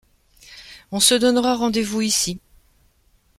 On se donnera rendez-vous ici.